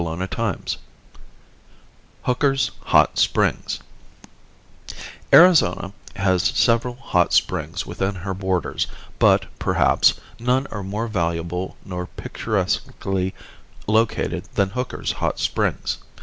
CHAPTER IX HOOKER'S HOT SPRINGS Arizona has several hot springs within her borders but, perhaps, none are more valuable nor picturesquely located than Hooker's hot springs.